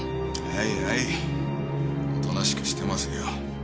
はいはいおとなしくしてますよ。